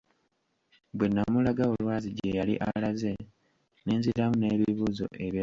Bwe nnamulaga olwazi gye yali alaze ne nziramu n'ebibuuzo ebirala bitonotono.